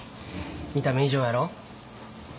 見た目以上やろ？